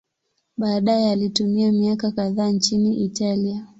Baadaye alitumia miaka kadhaa nchini Italia.